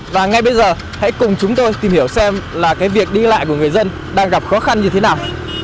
và ngay bây giờ hãy cùng chúng tôi tìm hiểu xem là cái việc đi lại của người dân đang gặp khó khăn như thế nào